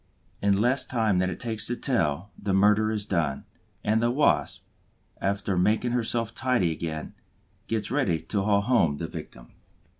In less time than it takes to tell, the murder is done; and the Wasp, after making herself tidy again, gets ready to haul home the victim.